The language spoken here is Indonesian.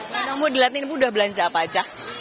nanti ibu dilihatin ibu udah belanja apa aja